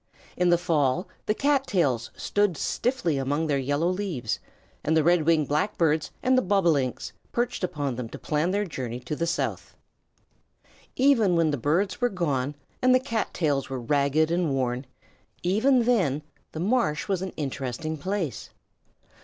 In the fall the cat tails stood stiffly among their yellow leaves, and the Red winged Blackbirds and the Bobolinks perched upon them to plan their journey to the south. Even when the birds were gone and the cat tails were ragged and worn even then, the marsh was an interesting place.